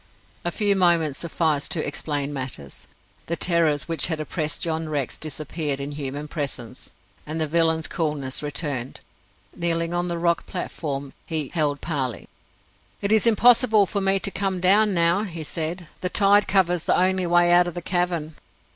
A few moments sufficed to explain matters. The terrors which had oppressed John Rex disappeared in human presence, and the villain's coolness returned. Kneeling on the rock platform, he held parley. "It is impossible for me to come down now," he said. "The tide covers the only way out of the cavern."